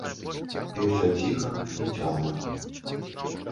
І ўсё ціха і цёмна.